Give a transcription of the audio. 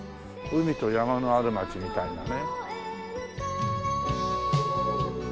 海と山のある街みたいなね。